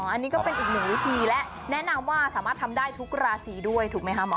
อันนี้ก็เป็นอีกหนึ่งวิธีและแนะนำว่าสามารถทำได้ทุกราศีด้วยถูกไหมคะหมอ